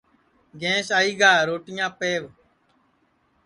گینٚس آئی گا روٹی پہو